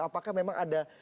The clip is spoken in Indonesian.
apakah memang ada